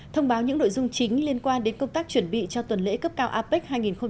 thông báo những nội dung chính liên quan đến công tác chuẩn bị cho tuần lễ cấp cao apec hai nghìn hai mươi